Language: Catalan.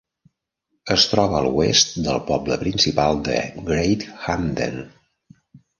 Es troba a l'oest del poble principal de Great Hampden.